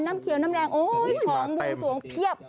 น้ำเขียวน้ำแดงโอ้ยของวงสวงเพียบ